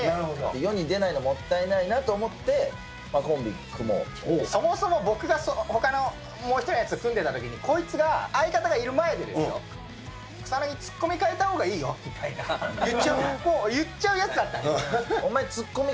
世に出ないのもったいないなそもそも僕が、ほかのもう１人のやつと組んでたときに、こいつが、相方がいる前でですよ、草薙、ツッコミ代えたほうがいいよってもう言っちゃうやつだったんですよ。